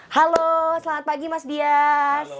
halo selamat pagi mas dias